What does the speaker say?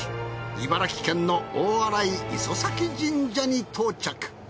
茨城県の大洗磯前神社に到着。